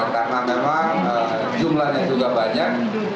karena memang jumlahnya juga banyak